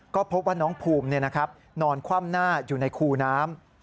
ก็พบว่าน้องภูมินอนคว่ำหน้าอยู่ในคูน้ำ